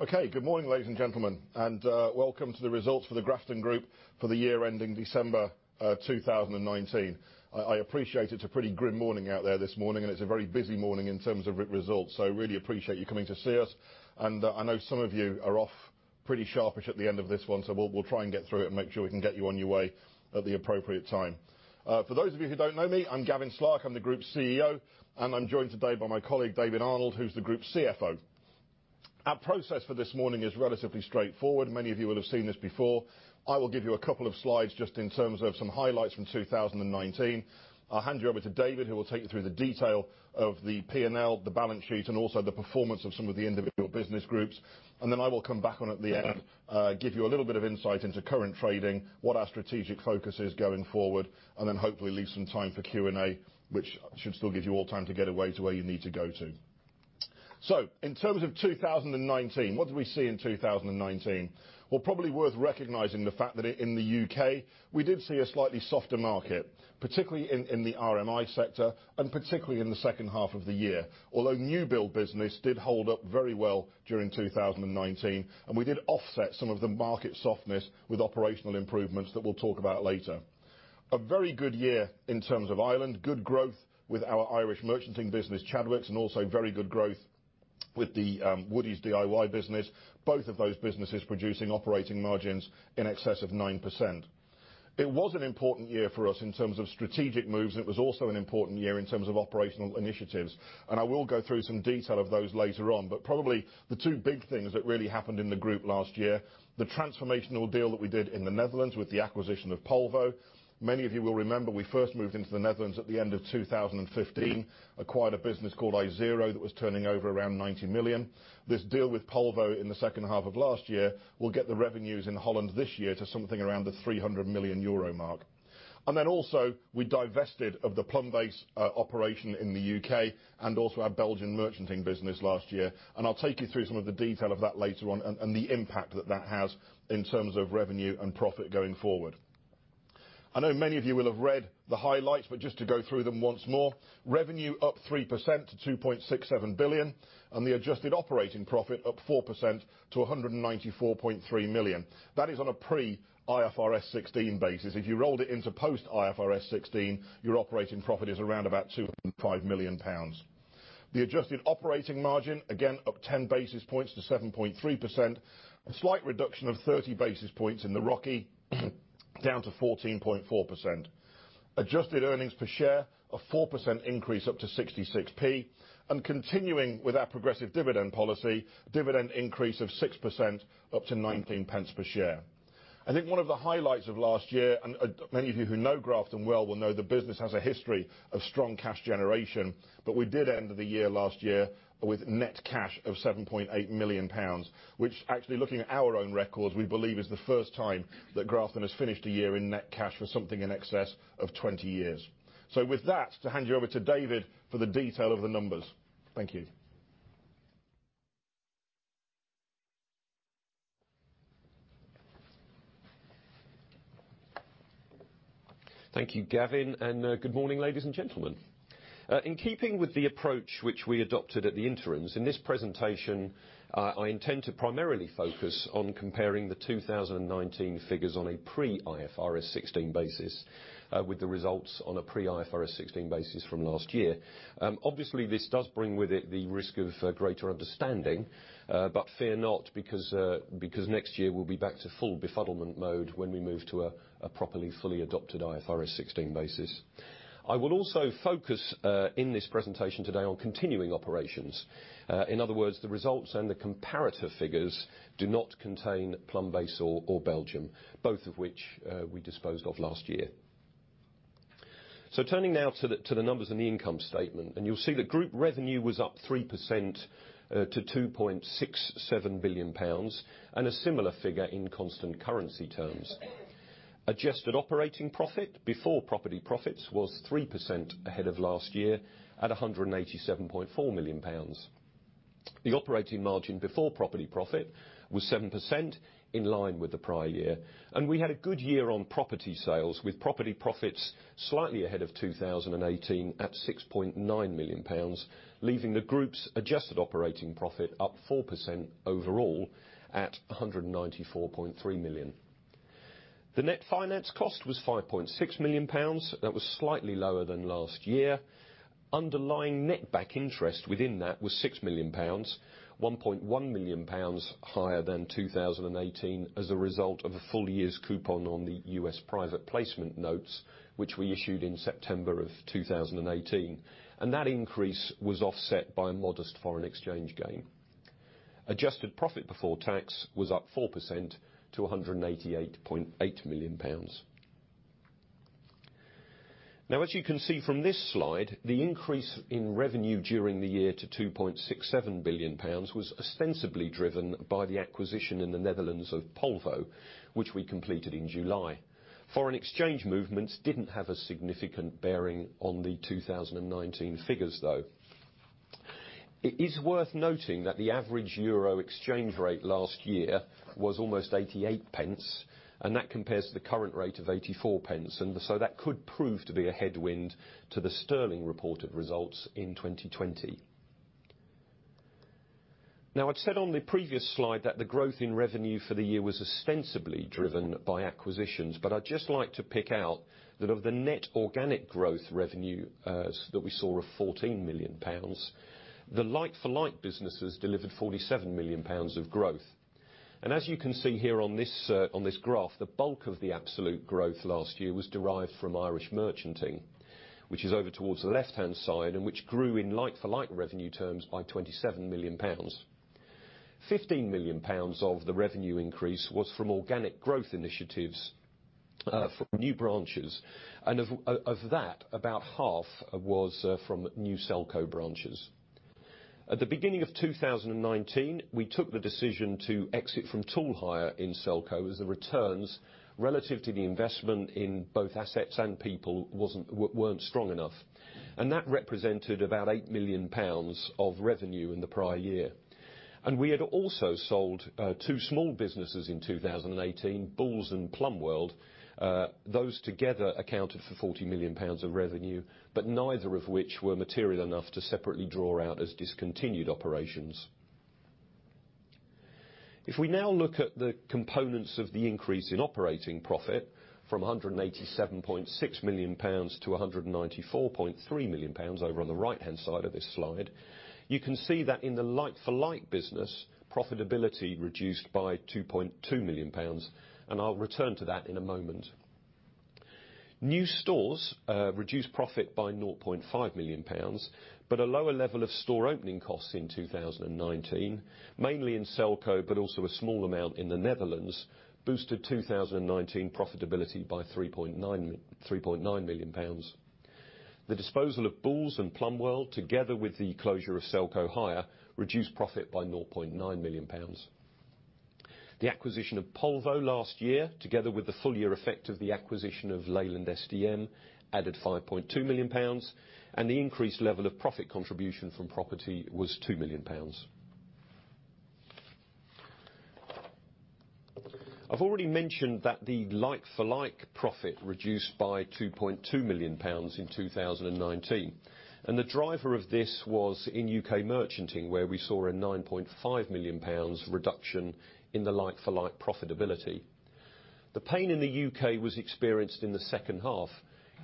Okay. Good morning, ladies and gentlemen, welcome to the results for the Grafton Group for the year ending December 2019. I appreciate it's a pretty good morning out there this morning, and it's a very busy morning in terms of results. Really appreciate you coming to see us. I know some of you are off pretty sharpish at the end of this one, so we'll try and get through it and make sure we can get you on your way at the appropriate time. For those of you who don't know me, I'm Gavin Slark, I'm the Group CEO, and I'm joined today by my colleague, David Arnold, who's the Group CFO. Our process for this morning is relatively straightforward. Many of you will have seen this before. I will give you a couple of slides just in terms of some highlights from 2019. I'll hand you over to David, who will take you through the detail of the P&L, the balance sheet, and also the performance of some of the individual business groups. I will come back on at the end, give you a little bit of insight into current trading, what our strategic focus is going forward, and then hopefully leave some time for Q&A, which should still give you all time to get away to where you need to go to. In terms of 2019, what did we see in 2019? Probably worth recognizing the fact that in the U.K., we did see a slightly softer market, particularly in the RMI sector, and particularly in the second half of the year. Although new build business did hold up very well during 2019, and we did offset some of the market softness with operational improvements that we'll talk about later. A very good year in terms of Ireland, good growth with our Irish merchanting business, Chadwicks, and also very good growth with the Woodie's DIY business, both of those businesses producing operating margins in excess of 9%. It was an important year for us in terms of strategic moves, and it was also an important year in terms of operational initiatives. I will go through some detail of those later on. Probably the two big things that really happened in the group last year, the transformational deal that we did in the Netherlands with the acquisition of Polvo. Many of you will remember we first moved into the Netherlands at the end of 2015, acquired a business called Isero that was turning over around 90 million. This deal with Polvo in the second half of last year will get the revenues in Holland this year to something around the 300 million euro mark. Also, we divested of the Plumbase operation in the U.K. and also our Belgian merchanting business last year. I'll take you through some of the detail of that later on and the impact that that has in terms of revenue and profit going forward. I know many of you will have read the highlights, just to go through them once more, revenue up 3% to 2.67 billion, the adjusted operating profit up 4% to 194.3 million. That is on a pre IFRS 16 basis. If you rolled it into post IFRS 16, your operating profit is around about EUR 205 million. The adjusted operating margin, again, up 10 basis points to 7.3%. A slight reduction of 30 basis points in the ROCE, down to 14.4%. Adjusted earnings per share, a 4% increase up to 0.66. Continuing with our progressive dividend policy, dividend increase of 6% up to 0.19 per share. I think one of the highlights of last year, and many of you who know Grafton well will know the business has a history of strong cash generation. We did end the year last year with net cash of 7.8 million pounds, which actually looking at our own records, we believe is the first time that Grafton has finished a year in net cash for something in excess of 20 years. With that, to hand you over to David for the detail of the numbers. Thank you. Thank you, Gavin. Good morning, ladies and gentlemen. In keeping with the approach which we adopted at the interims, in this presentation, I intend to primarily focus on comparing the 2019 figures on a pre IFRS 16 basis with the results on a pre IFRS 16 basis from last year. Obviously, this does bring with it the risk of greater understanding, but fear not, because next year we'll be back to full befuddlement mode when we move to a properly fully adopted IFRS 16 basis. I will also focus, in this presentation today, on continuing operations. In other words, the results and the comparator figures do not contain Plumbase or Belgium, both of which we disposed of last year. Turning now to the numbers in the income statement, and you'll see the group revenue was up 3% to 2.67 billion pounds, and a similar figure in constant currency terms. Adjusted operating profit before property profits was 3% ahead of last year at 187.4 million pounds. The operating margin before property profit was 7% in line with the prior year. We had a good year on property sales with property profits slightly ahead of 2018 at 6.9 million pounds, leaving the group's adjusted operating profit up 4% overall at 194.3 million. The net finance cost was 5.6 million pounds. That was slightly lower than last year. Underlying net back interest within that was 6 million pounds, 1.1 million pounds higher than 2018 as a result of a full year's coupon on the U.S. private placement notes, which we issued in September of 2018. That increase was offset by a modest foreign exchange gain. Adjusted profit before tax was up 4% to 188.8 million pounds. As you can see from this slide, the increase in revenue during the year to 2.67 billion pounds was ostensibly driven by the acquisition in the Netherlands of Polvo, which we completed in July. Foreign exchange movements didn't have a significant bearing on the 2019 figures, though. It is worth noting that the average euro exchange rate last year was almost 0.88, that compares to the current rate of 0.84. That could prove to be a headwind to the sterling reported results in 2020. I'd said on the previous slide that the growth in revenue for the year was ostensibly driven by acquisitions, I'd just like to pick out that of the net organic growth revenue that we saw of 14 million pounds, the like-for-like businesses delivered 47 million pounds of growth. As you can see here on this graph, the bulk of the absolute growth last year was derived from Irish merchanting, which is over towards the left-hand side, which grew in like-for-like revenue terms by 27 million pounds. 15 million pounds of the revenue increase was from organic growth initiatives from new branches, of that, about half was from new Selco branches. At the beginning of 2019, we took the decision to exit from tool hire in Selco as the returns relative to the investment in both assets and people weren't strong enough. That represented about 8 million pounds of revenue in the prior year. We had also sold two small businesses in 2018, Boos and Plumbworld. Those together accounted for 40 million pounds of revenue, neither of which were material enough to separately draw out as discontinued operations. If we now look at the components of the increase in operating profit from 187.6 million pounds to 194.3 million pounds over on the right-hand side of this slide, you can see that in the like-for-like business, profitability reduced by 2.2 million pounds, and I'll return to that in a moment. New stores reduced profit by 0.5 million pounds, but a lower level of store opening costs in 2019, mainly in Selco, but also a small amount in the Netherlands, boosted 2019 profitability by 3.9 million pounds. The disposal of Boos and Plumbworld, together with the closure of Selco Hire, reduced profit by 0.9 million pounds. The acquisition of Polvo last year, together with the full year effect of the acquisition of Leyland SDM, added 5.2 million pounds, and the increased level of profit contribution from property was 2 million pounds. I've already mentioned that the like-for-like profit reduced by 2.2 million pounds in 2019. The driver of this was in U.K. merchanting, where we saw a 9.5 million pounds reduction in the like-for-like profitability. The pain in the U.K. was experienced in the second half.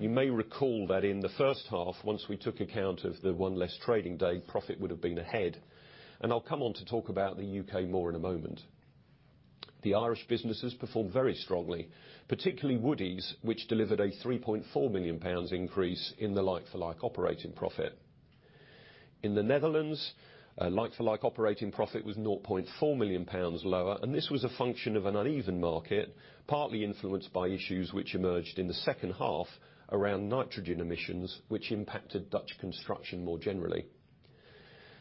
You may recall that in the first half, once we took account of the one less trading day, profit would have been ahead. I'll come on to talk about the U.K. more in a moment. The Irish businesses performed very strongly, particularly Woodie's, which delivered a 3.4 million pounds increase in the like-for-like operating profit. In the Netherlands, like-for-like operating profit was 0.4 million pounds lower. This was a function of an uneven market, partly influenced by issues which emerged in the second half around nitrogen emissions, which impacted Dutch construction more generally.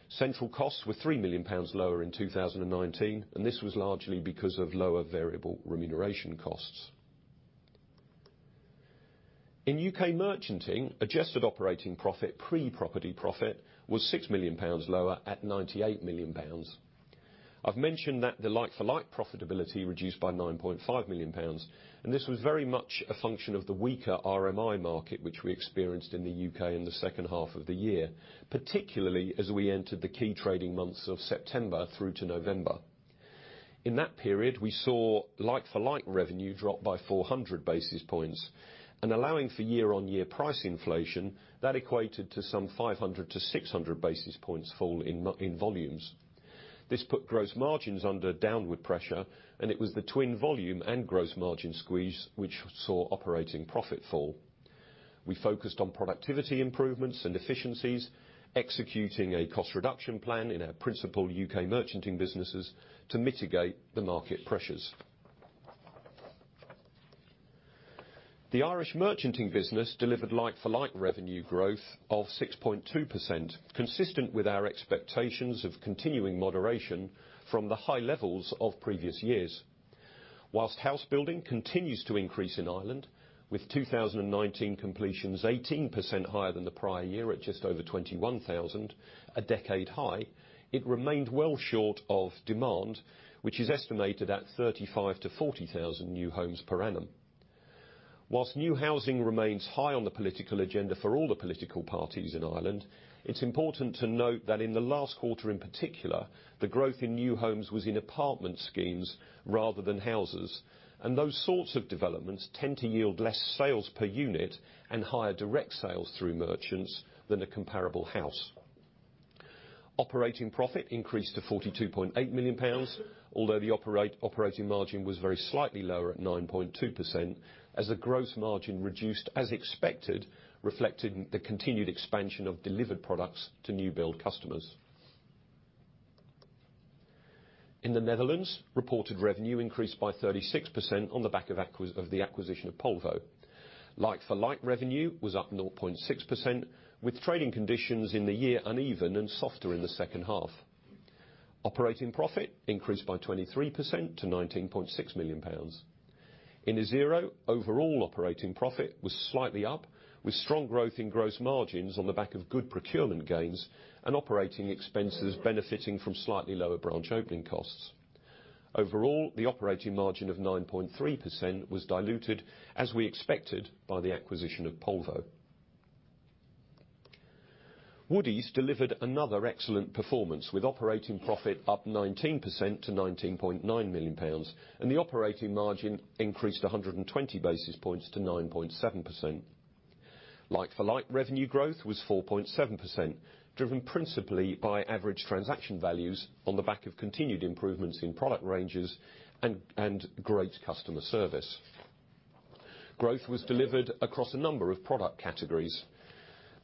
Central costs were 3 million pounds lower in 2019. This was largely because of lower variable remuneration costs. In U.K. merchanting, adjusted operating profit, pre-property profit, was 6 million pounds lower at 98 million pounds. I've mentioned that the like-for-like profitability reduced by 9.5 million pounds. This was very much a function of the weaker RMI market which we experienced in the U.K. in the second half of the year, particularly as we entered the key trading months of September through to November. In that period, we saw like-for-like revenue drop by 400 basis points. Allowing for year-on-year price inflation, that equated to some 500-600 basis points fall in volumes. This put gross margins under downward pressure. It was the twin volume and gross margin squeeze which saw operating profit fall. We focused on productivity improvements and efficiencies, executing a cost reduction plan in our principal U.K. merchanting businesses to mitigate the market pressures. The Irish merchanting business delivered like-for-like revenue growth of 6.2%, consistent with our expectations of continuing moderation from the high levels of previous years. Whilst house building continues to increase in Ireland, with 2019 completions 18% higher than the prior year at just over 21,000, a decade high, it remained well short of demand, which is estimated at 35 to 40,000 new homes per annum. Whilst new housing remains high on the political agenda for all the political parties in Ireland, it's important to note that in the last quarter in particular, the growth in new homes was in apartment schemes rather than houses, and those sorts of developments tend to yield less sales per unit and higher direct sales through merchants than a comparable house. Operating profit increased to 42.8 million pounds, although the operating margin was very slightly lower at 9.2% as the gross margin reduced as expected, reflecting the continued expansion of delivered products to new build customers. In the Netherlands, reported revenue increased by 36% on the back of the acquisition of Polvo. Like-for-like revenue was up 0.6%, with trading conditions in the year uneven and softer in the second half. Operating profit increased by 23% to 19.6 million pounds. In Isero, overall operating profit was slightly up, with strong growth in gross margins on the back of good procurement gains and operating expenses benefiting from slightly lower branch opening costs. Overall, the operating margin of 9.3% was diluted, as we expected, by the acquisition of Polvo. Woodie's delivered another excellent performance, with operating profit up 19% to 19.9 million pounds, and the operating margin increased 120 basis points to 9.7%. Like-for-like revenue growth was 4.7%, driven principally by average transaction values on the back of continued improvements in product ranges and great customer service. Growth was delivered across a number of product categories.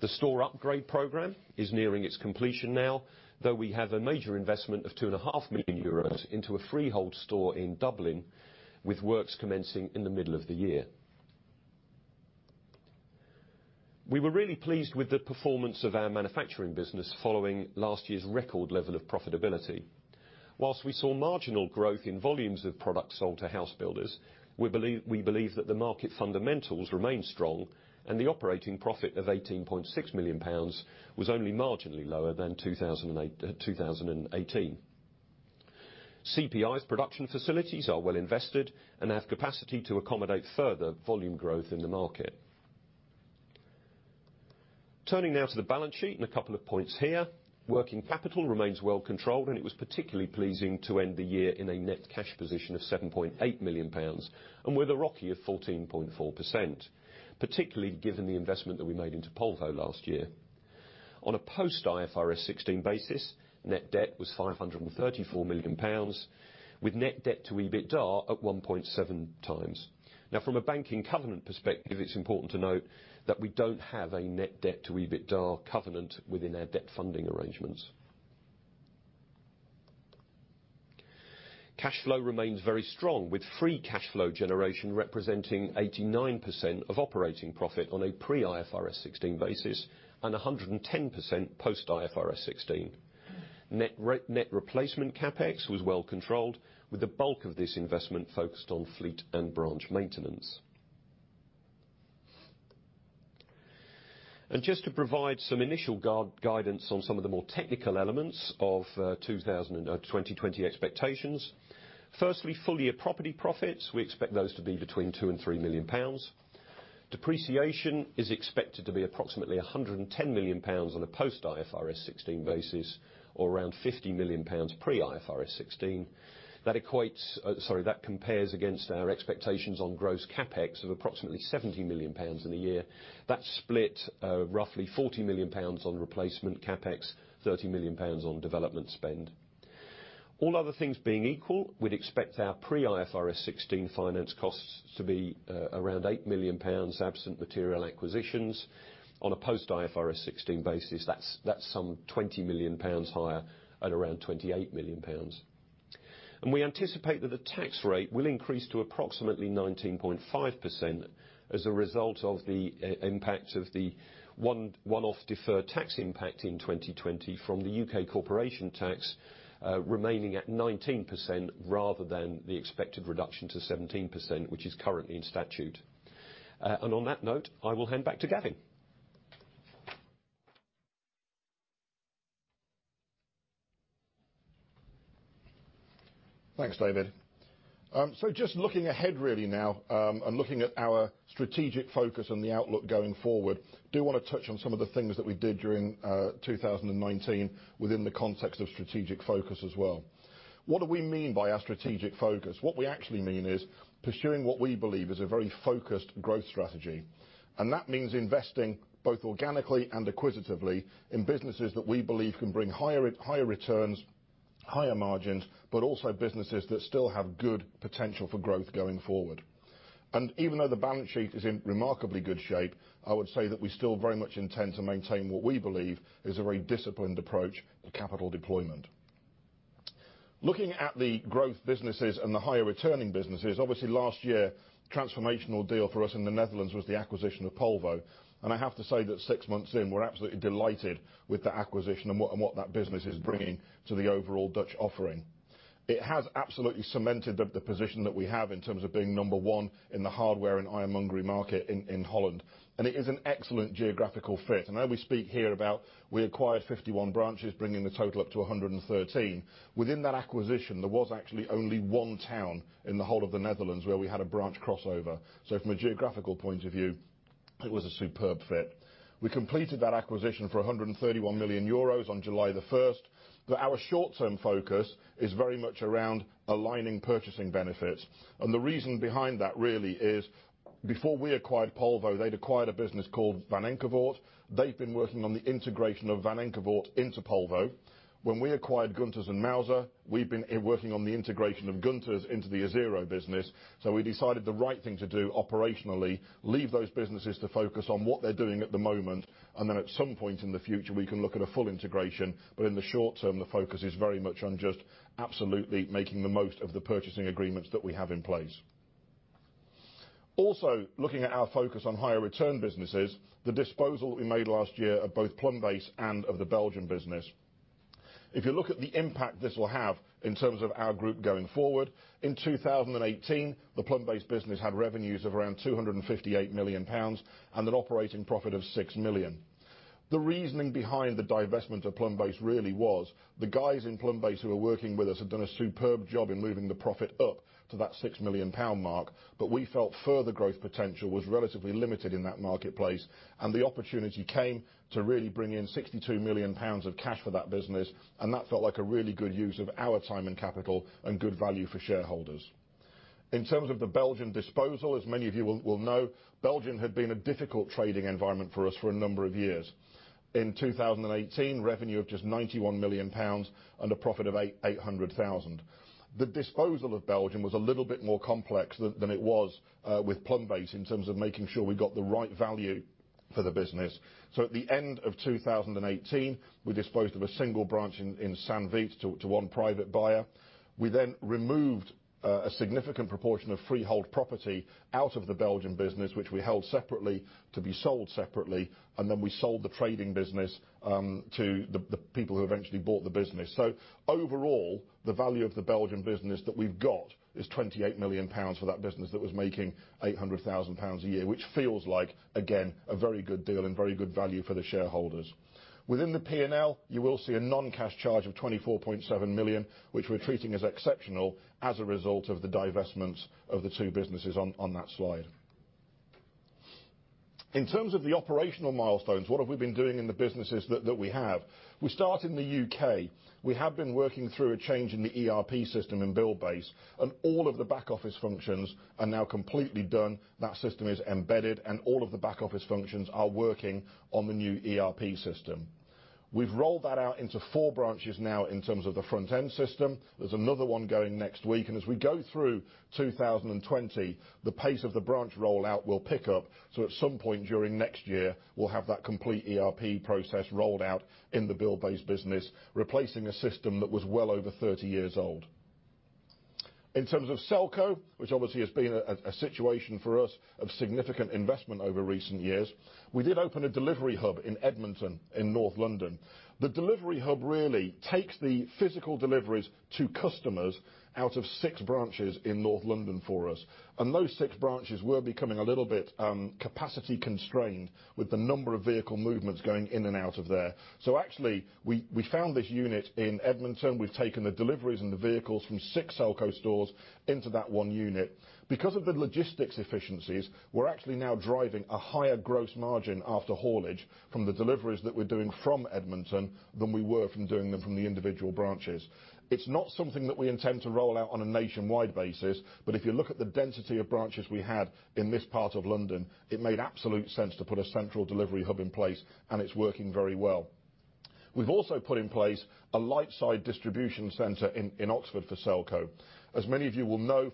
The store upgrade program is nearing its completion now, though we have a major investment of 2.5 million euros into a freehold store in Dublin with works commencing in the middle of the year. We were really pleased with the performance of our manufacturing business following last year's record level of profitability. Whilst we saw marginal growth in volumes of product sold to house builders, we believe that the market fundamentals remain strong and the operating profit of 18.6 million pounds was only marginally lower than 2018. CPI's production facilities are well invested and have capacity to accommodate further volume growth in the market. Turning now to the balance sheet, a couple of points here. Working capital remains well controlled, and it was particularly pleasing to end the year in a net cash position of 7.8 million pounds, and with a ROCE of 14.4%, particularly given the investment that we made into Polvo last year. On a post IFRS 16 basis, net debt was 534 million pounds with net debt to EBITDA at 1.7x. Now, from a banking covenant perspective, it's important to note that we don't have a net debt to EBITDA covenant within our debt funding arrangements. Cash flow remains very strong, with free cash flow generation representing 89% of operating profit on a pre IFRS 16 basis and 110% post IFRS 16. Net replacement CapEx was well controlled, with the bulk of this investment focused on fleet and branch maintenance. Just to provide some initial guidance on some of the more technical elements of 2020 expectations. Full-year property profits, we expect those to be between 2 million-3 million pounds. Depreciation is expected to be approximately 110 million pounds on a post IFRS 16 basis, or around 50 million pounds pre IFRS 16. That compares against our expectations on gross CapEx of approximately 70 million pounds in the year. That's split roughly 40 million pounds on replacement CapEx, 30 million pounds on development spend. All other things being equal, we'd expect our pre IFRS 16 finance costs to be around 8 million pounds absent material acquisitions. On a post IFRS 16 basis, that's some 20 million pounds higher at around 28 million pounds. We anticipate that the tax rate will increase to approximately 19.5% as a result of the impact of the one-off deferred tax impact in 2020 from the U.K. corporation tax remaining at 19%, rather than the expected reduction to 17%, which is currently in statute. On that note, I will hand back to Gavin. Thanks, David. Just looking ahead really now, and looking at our strategic focus and the outlook going forward, I do want to touch on some of the things that we did during 2019 within the context of strategic focus as well. What do we mean by our strategic focus? What we actually mean is pursuing what we believe is a very focused growth strategy. That means investing both organically and acquisitively in businesses that we believe can bring higher returns, higher margins, but also businesses that still have good potential for growth going forward. Even though the balance sheet is in remarkably good shape, I would say that we still very much intend to maintain what we believe is a very disciplined approach to capital deployment. Looking at the growth businesses and the higher returning businesses, obviously last year, transformational deal for us in the Netherlands was the acquisition of Polvo. I have to say that six months in, we're absolutely delighted with the acquisition and what that business is bringing to the overall Dutch offering. It has absolutely cemented the position that we have in terms of being number one in the hardware and ironmongery market in Holland. It is an excellent geographical fit. I know we speak here about we acquired 51 branches, bringing the total up to 113. Within that acquisition, there was actually only one town in the whole of the Netherlands where we had a branch crossover. From a geographical point of view, it was a superb fit. We completed that acquisition for 131 million euros on July the 1st, our short-term focus is very much around aligning purchasing benefits. The reason behind that really is before we acquired Polvo, they'd acquired a business called Van Enckevort. They've been working on the integration of Van Enckevort into Polvo. When we acquired Gunters en Meuser, we've been working on the integration of Gunters into the Isero business. We decided the right thing to do operationally, leave those businesses to focus on what they're doing at the moment, at some point in the future, we can look at a full integration. In the short term, the focus is very much on just absolutely making the most of the purchasing agreements that we have in place. Looking at our focus on higher return businesses, the disposal that we made last year of both Plumbase and of the Belgian business. If you look at the impact this will have in terms of our group going forward, in 2018, the Plumbase business had revenues of around 258 million pounds and an operating profit of 6 million. The reasoning behind the divestment of Plumbase really was the guys in Plumbase who are working with us have done a superb job in moving the profit up to that 6 million pound mark, but we felt further growth potential was relatively limited in that marketplace, and the opportunity came to really bring in 62 million pounds of cash for that business, and that felt like a really good use of our time and capital and good value for shareholders. In terms of the Belgian disposal, as many of you will know, Belgium had been a difficult trading environment for us for a number of years. In 2018, revenue of just 91 million pounds and a profit of 800,000. The disposal of Belgium was a little bit more complex than it was with Plumbase in terms of making sure we got the right value for the business. At the end of 2018, we disposed of a single branch in St. Vith to one private buyer. We removed a significant proportion of freehold property out of the Belgian business, which we held separately to be sold separately, and then we sold the trading business to the people who eventually bought the business. Overall, the value of the Belgian business that we've got is 28 million pounds for that business that was making 800,000 pounds a year, which feels like, again, a very good deal and very good value for the shareholders. Within the P&L, you will see a non-cash charge of 24.7 million, which we're treating as exceptional as a result of the divestments of the two businesses on that slide. In terms of the operational milestones, what have we been doing in the businesses that we have? We start in the U.K. We have been working through a change in the ERP system in Buildbase, and all of the back office functions are now completely done. That system is embedded, and all of the back office functions are working on the new ERP system. We've rolled that out into four branches now in terms of the front end system. There's another one going next week, and as we go through 2020, the pace of the branch rollout will pick up. At some point during next year, we'll have that complete ERP process rolled out in the Buildbase business, replacing a system that was well over 30 years old. In terms of Selco, which obviously has been a situation for us of significant investment over recent years, we did open a delivery hub in Edmonton in North London. The delivery hub really takes the physical deliveries to customers out of six branches in North London for us. Those six branches were becoming a little bit capacity constrained with the number of vehicle movements going in and out of there. Actually, we found this unit in Edmonton. We've taken the deliveries and the vehicles from six Selco stores into that one unit. Because of the logistics efficiencies, we're actually now driving a higher gross margin after haulage from the deliveries that we're doing from Edmonton than we were from doing them from the individual branches. It's not something that we intend to roll out on a nationwide basis, if you look at the density of branches we had in this part of London, it made absolute sense to put a central delivery hub in place, it's working very well. We've also put in place a light side distribution center in Oxford for Selco. As many of you will know,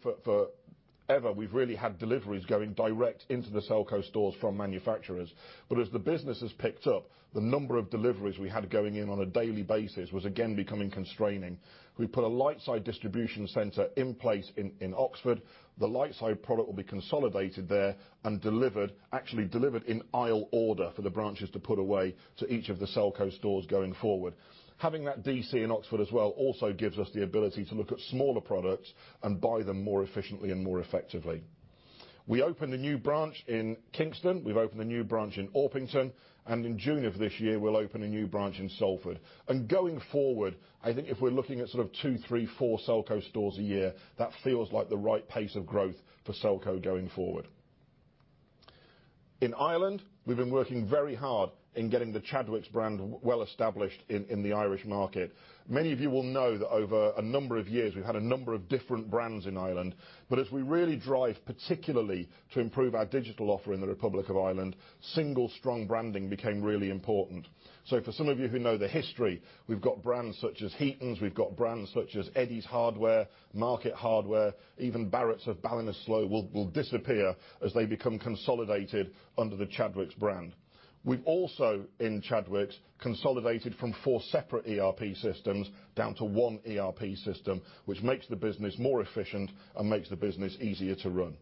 forever, we've really had deliveries going direct into the Selco stores from manufacturers. As the business has picked up, the number of deliveries we had going in on a daily basis was again becoming constraining. We put a light side distribution center in place in Oxford. The light side product will be consolidated there and delivered, actually delivered in aisle order for the branches to put away to each of the Selco stores going forward. Having that DC in Oxford as well also gives us the ability to look at smaller products and buy them more efficiently and more effectively. We opened a new branch in Kingston. We've opened a new branch in Orpington, and in June of this year, we'll open a new branch in Salford. Going forward, I think if we're looking at sort of two, three, four Selco stores a year, that feels like the right pace of growth for Selco going forward. In Ireland, we've been working very hard in getting the Chadwicks brand well established in the Irish market. Many of you will know that over a number of years, we've had a number of different brands in Ireland. As we really drive particularly to improve our digital offer in the Republic of Ireland, single strong branding became really important. For some of you who know the history, we've got brands such as Heiton's, we've got brands such as Eddie's Hardware, Market Hardware, even Barrett's of Ballinasloe will disappear as they become consolidated under the Chadwicks brand. We've also, in Chadwicks, consolidated from four separate ERP systems down to one ERP system, which makes the business more efficient and makes the business easier to run.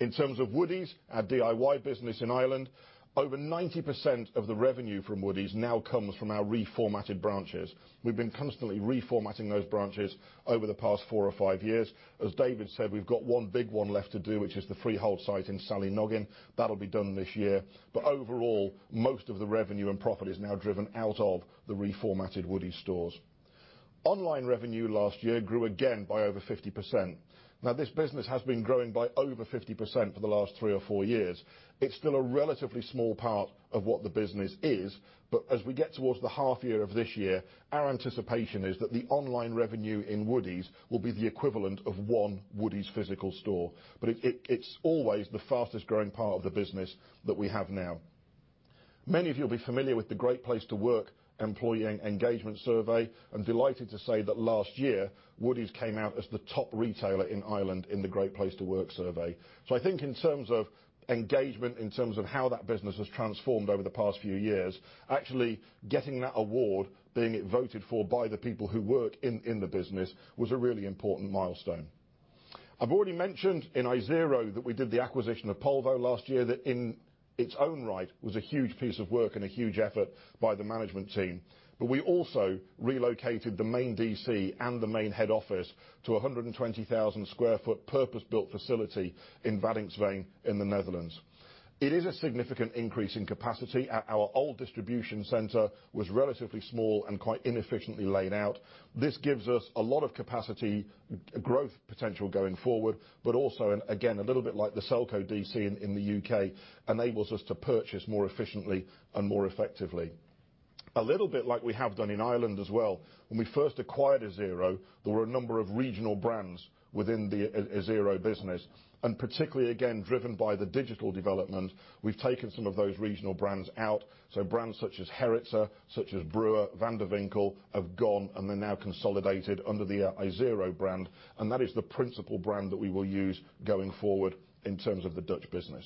In terms of Woodie's, our DIY business in Ireland, over 90% of the revenue from Woodie's now comes from our reformatted branches. We've been constantly reformatting those branches over the past four or five years. As David said, we've got one big one left to do, which is the freehold site in Sallynoggin. That'll be done this year. Overall, most of the revenue and profit is now driven out of the reformatted Woodie's stores. Online revenue last year grew again by over 50%. This business has been growing by over 50% for the last three or four years. It's still a relatively small part of what the business is, but as we get towards the half year of this year, our anticipation is that the online revenue in Woodie's will be the equivalent of one Woodie's physical store. It's always the fastest growing part of the business that we have now. Many of you will be familiar with the Great Place to Work employee engagement survey. I'm delighted to say that last year, Woodie's came out as the top retailer in Ireland in the Great Place to Work survey. I think in terms of engagement, in terms of how that business has transformed over the past few years, actually getting that award, being voted for by the people who work in the business, was a really important milestone. I've already mentioned in Isero that we did the acquisition of Polvo last year that in its own right was a huge piece of work and a huge effort by the management team. We also relocated the main DC and the main head office to 120,000 square foot purpose-built facility in Waddinxveen in the Netherlands. It is a significant increase in capacity. Our old distribution center was relatively small and quite inefficiently laid out. This gives us a lot of capacity growth potential going forward, but also, and again, a little bit like the Selco DC in the U.K., enables us to purchase more efficiently and more effectively. A little bit like we have done in Ireland as well, when we first acquired Isero, there were a number of regional brands within the Isero business. Particularly, again, driven by the digital development, we've taken some of those regional brands out. Brands such as Gerritse, such as Breur, Van der Winkel, have gone, and they're now consolidated under the Isero brand, and that is the principal brand that we will use going forward in terms of the Dutch business.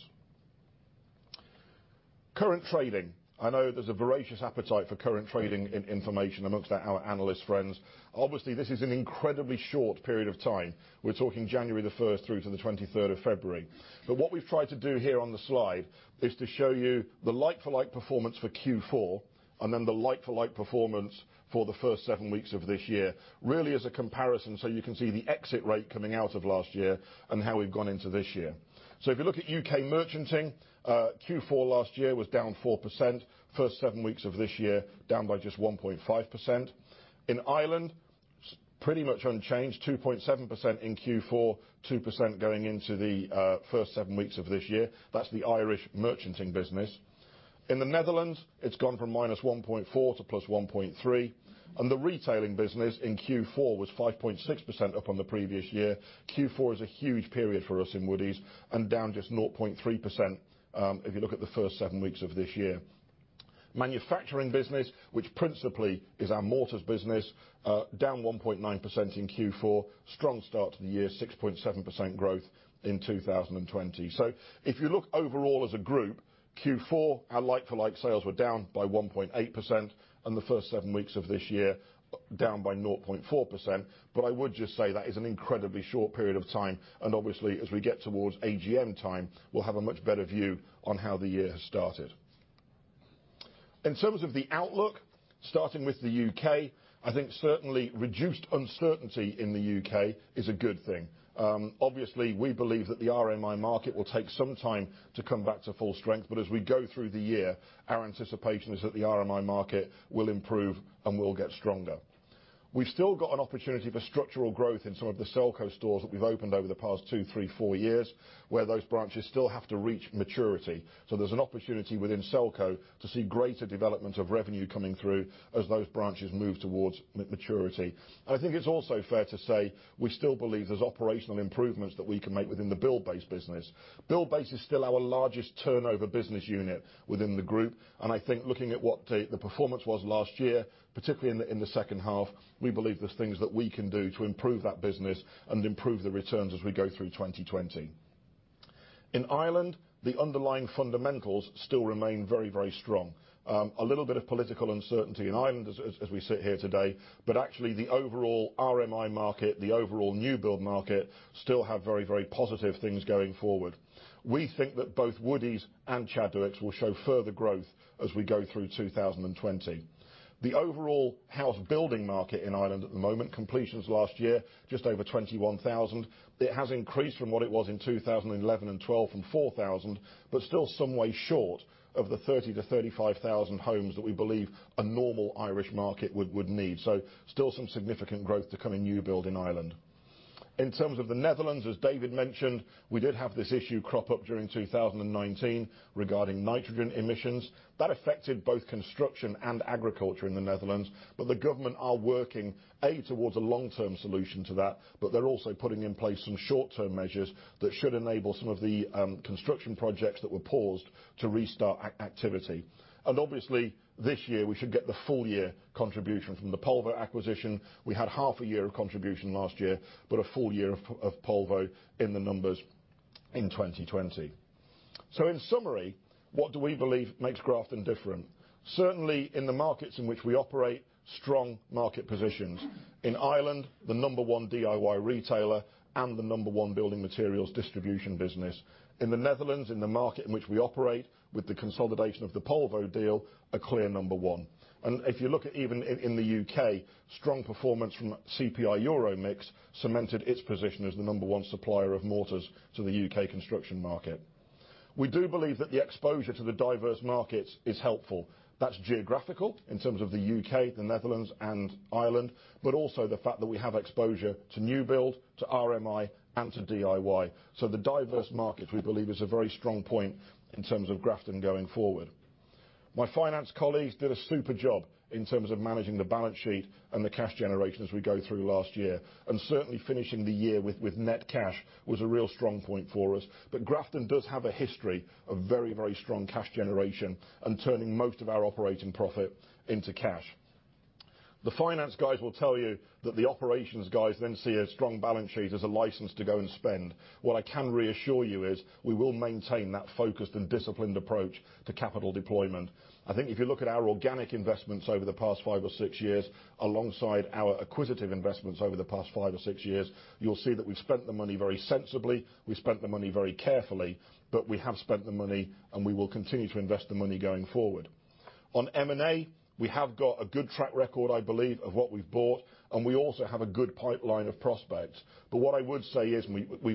Current trading. I know there's a voracious appetite for current trading in information amongst our analyst friends. Obviously, this is an incredibly short period of time. We're talking January 1st through to the 23rd of February. What we've tried to do here on the slide is to show you the like-for-like performance for Q4, and then the like-for-like performance for the first seven weeks of this year, really as a comparison, so you can see the exit rate coming out of last year and how we've gone into this year. If you look at U.K. merchanting, Q4 last year was down 4%. First seven weeks of this year, down by just 1.5%. In Ireland, pretty much unchanged, 2.7% in Q4, 2% going into the first seven weeks of this year. That's the Irish merchanting business. In the Netherlands, it's gone from -1.4% to +1.3%. The retailing business in Q4 was 5.6% up on the previous year. Q4 is a huge period for us in Woodie's, and down just 0.3% if you look at the first seven weeks of this year. Manufacturing business, which principally is our mortars business, down 1.9% in Q4. Strong start to the year, 6.7% growth in 2020. If you look overall as a group, Q4, our like-for-like sales were down by 1.8%, and the first seven weeks of this year, down by 0.4%. I would just say that is an incredibly short period of time, and obviously, as we get towards AGM time, we'll have a much better view on how the year has started. In terms of the outlook, starting with the U.K., I think certainly reduced uncertainty in the U.K. is a good thing. Obviously, we believe that the RMI market will take some time to come back to full strength, but as we go through the year, our anticipation is that the RMI market will improve and will get stronger. We've still got an opportunity for structural growth in some of the Selco stores that we've opened over the past two, three, four years, where those branches still have to reach maturity. There's an opportunity within Selco to see greater development of revenue coming through as those branches move towards maturity. I think it's also fair to say we still believe there's operational improvements that we can make within the Buildbase business. Buildbase is still our largest turnover business unit within the group, and I think looking at what the performance was last year, particularly in the second half, we believe there's things that we can do to improve that business and improve the returns as we go through 2020. In Ireland, the underlying fundamentals still remain very strong. A little bit of political uncertainty in Ireland as we sit here today, but actually the overall RMI market, the overall new build market, still have very positive things going forward. We think that both Woodie's and Chadwicks will show further growth as we go through 2020. The overall house building market in Ireland at the moment, completions last year, just over 21,000. It has increased from what it was in 2011 and 2012 from 4,000, still some way short of the 30,000-35,000 homes that we believe a normal Irish market would need. Still some significant growth to come in new build in Ireland. In terms of the Netherlands, as David mentioned, we did have this issue crop up during 2019 regarding nitrogen emissions. That affected both construction and agriculture in the Netherlands, the government are working towards a long-term solution to that, they're also putting in place some short-term measures that should enable some of the construction projects that were paused to restart activity. Obviously, this year we should get the full year contribution from the Polvo acquisition. We had half a year of contribution last year, a full year of Polvo in the numbers in 2020. In summary, what do we believe makes Grafton different? Certainly in the markets in which we operate, strong market positions. In Ireland, the number one DIY retailer and the number one building materials distribution business. In the Netherlands, in the market in which we operate with the consolidation of the Polvo deal, a clear number one. If you look at even in the U.K., strong performance from CPI Euromix cemented its position as the number one supplier of mortars to the U.K. construction market. We do believe that the exposure to the diverse markets is helpful. That's geographical in terms of the U.K., the Netherlands and Ireland, also the fact that we have exposure to new build, to RMI and to DIY. The diverse markets, we believe, is a very strong point in terms of Grafton going forward. My finance colleagues did a super job in terms of managing the balance sheet and the cash generation as we go through last year. Certainly finishing the year with net cash was a real strong point for us. Grafton does have a history of very strong cash generation and turning most of our operating profit into cash. The finance guys will tell you that the operations guys then see a strong balance sheet as a license to go and spend. What I can reassure you is we will maintain that focused and disciplined approach to capital deployment. I think if you look at our organic investments over the past five or six years, alongside our acquisitive investments over the past five or six years, you'll see that we've spent the money very sensibly, we've spent the money very carefully, we have spent the money and we will continue to invest the money going forward. On M&A, we have got a good track record, I believe, of what we've bought, and we also have a good pipeline of prospects. What I would say is, we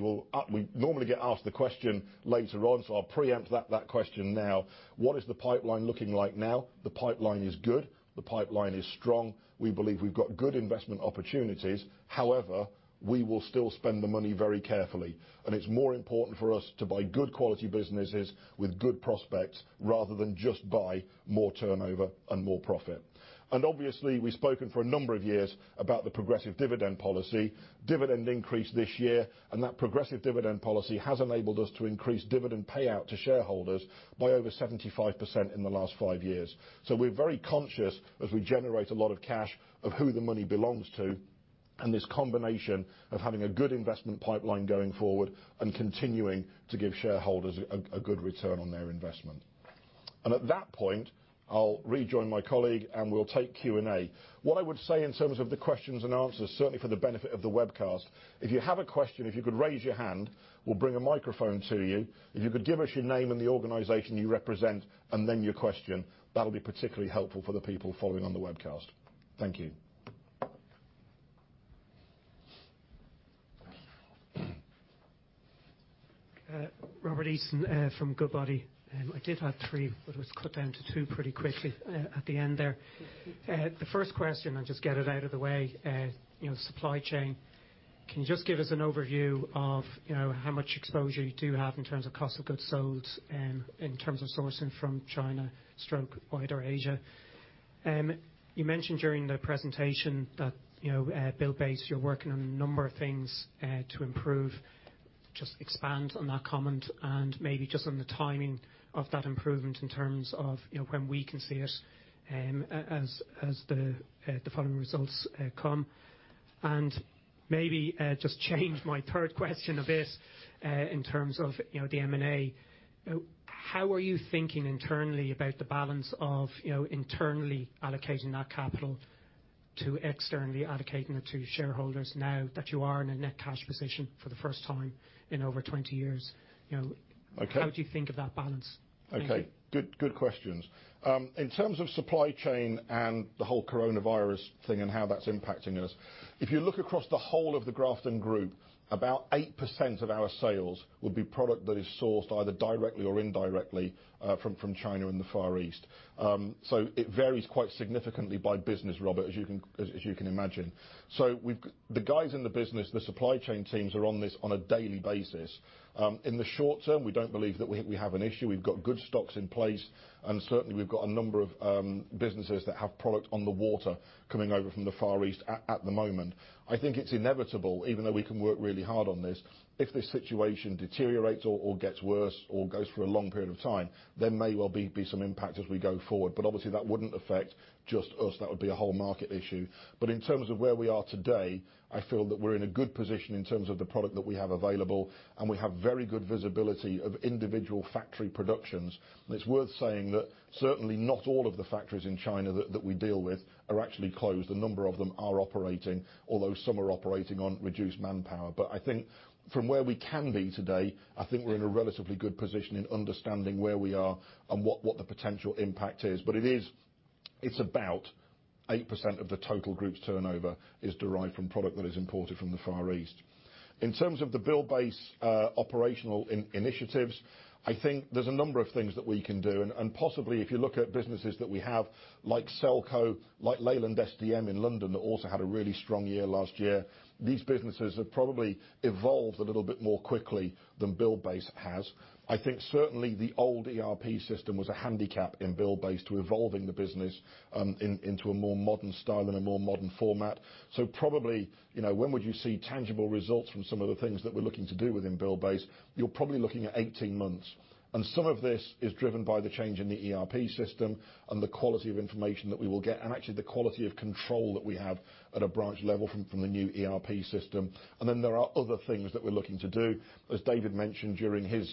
normally get asked the question later on, so I'll preempt that question now. What is the pipeline looking like now? The pipeline is good. The pipeline is strong. We believe we've got good investment opportunities. However, we will still spend the money very carefully. It's more important for us to buy good quality businesses with good prospects rather than just buy more turnover and more profit. Obviously, we've spoken for a number of years about the progressive dividend policy. Dividend increased this year, and that progressive dividend policy has enabled us to increase dividend payout to shareholders by over 75% in the last five years. We're very conscious, as we generate a lot of cash, of who the money belongs to, and this combination of having a good investment pipeline going forward and continuing to give shareholders a good return on their investment. At that point, I'll rejoin my colleague, and we'll take Q&A. What I would say in terms of the questions and answers, certainly for the benefit of the webcast, if you have a question, if you could raise your hand, we'll bring a microphone to you. If you could give us your name and the organization you represent and then your question, that will be particularly helpful for the people following on the webcast. Thank you. Robert Eason from Goodbody. I did have three, but it was cut down to two pretty quickly at the end there. The first question, I'll just get it out of the way, supply chain. Can you just give us an overview of how much exposure you do have in terms of cost of goods sold and in terms of sourcing from China/wider Asia? You mentioned during the presentation that Buildbase, you're working on a number of things to improve. Just expand on that comment and maybe just on the timing of that improvement in terms of when we can see it as the following results come. Maybe just change my third question a bit in terms of the M&A. How are you thinking internally about the balance of internally allocating that capital to externally allocating it to shareholders now that you are in a net cash position for the first time in over 20 years? Okay. How do you think of that balance? Thank you. Okay. Good questions. In terms of supply chain and the whole coronavirus thing and how that's impacting us, if you look across the whole of the Grafton Group, about 8% of our sales would be product that is sourced either directly or indirectly from China and the Far East. It varies quite significantly by business, Robert, as you can imagine. The guys in the business, the supply chain teams, are on this on a daily basis. In the short term, we don't believe that we have an issue. We've got good stocks in place, and certainly, we've got a number of businesses that have product on the water coming over from the Far East at the moment. I think it's inevitable, even though we can work really hard on this, if this situation deteriorates or gets worse or goes for a long period of time, there may well be some impact as we go forward. Obviously, that wouldn't affect just us. That would be a whole market issue. In terms of where we are today, I feel that we're in a good position in terms of the product that we have available, and we have very good visibility of individual factory productions. It's worth saying that certainly not all of the factories in China that we deal with are actually closed. A number of them are operating, although some are operating on reduced manpower. I think from where we can be today, I think we're in a relatively good position in understanding where we are and what the potential impact is. It's about 8% of the total group's turnover is derived from product that is imported from the Far East. In terms of the Buildbase operational initiatives, I think there's a number of things that we can do, and possibly if you look at businesses that we have, like Selco, like Leyland SDM in London, that also had a really strong year last year, these businesses have probably evolved a little bit more quickly than Buildbase has. I think certainly the old ERP system was a handicap in Buildbase to evolving the business into a more modern style and a more modern format. Probably, when would you see tangible results from some of the things that we're looking to do within Buildbase? You're probably looking at 18 months. Some of this is driven by the change in the ERP system and the quality of information that we will get, and actually, the quality of control that we have at a branch level from the new ERP system. Then there are other things that we're looking to do. As David mentioned during his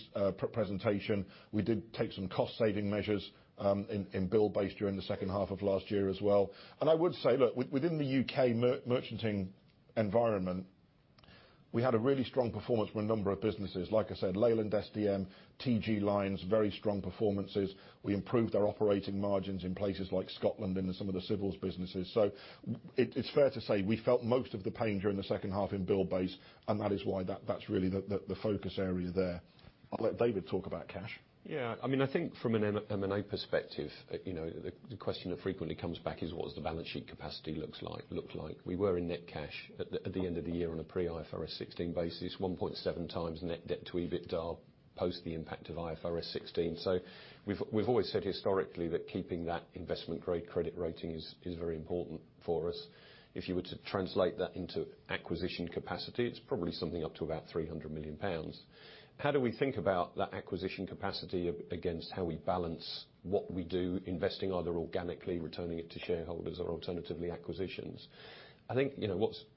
presentation, we did take some cost-saving measures in Buildbase during the second half of last year as well. I would say, look, within the U.K. merchanting environment, we had a really strong performance from a number of businesses. Like I said, Leyland SDM, T.G. Lynes, very strong performances. We improved our operating margins in places like Scotland and in some of the civils businesses. It's fair to say we felt most of the pain during the second half in Buildbase, and that is why that's really the focus area there. I'll let David talk about cash. Yeah. I think from an M&A perspective, the question that frequently comes back is what does the balance sheet capacity look like? We were in net cash at the end of the year on a pre-IFRS 16 basis, 1.7x net debt to EBITDA post the impact of IFRS 16. We've always said historically that keeping that investment-grade credit rating is very important for us. If you were to translate that into acquisition capacity, it's probably something up to about 300 million pounds. How do we think about that acquisition capacity against how we balance what we do, investing either organically, returning it to shareholders or alternatively acquisitions? I think